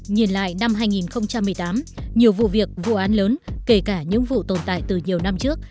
nhìn lại năm hai nghìn một mươi tám nhiều vụ việc vụ án lớn kể cả những vụ tồn tại từ nhiều năm trước